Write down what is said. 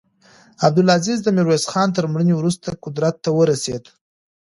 عبدالعزیز د میرویس خان تر مړینې وروسته قدرت ته ورسېد.